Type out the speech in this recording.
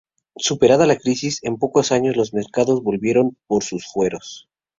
Superada la crisis, en pocos años los mercados volvieron por sus fueros.